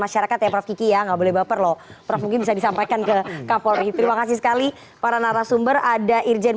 dan setelah mungkin bisa disampaikan ke kapolri terima kasih sekali para narasumber ada irjen